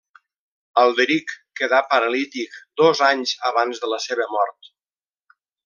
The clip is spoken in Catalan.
Alderic quedà paralític dos anys abans de la seva mort.